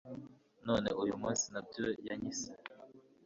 none uyu munsi ntabyo yanyise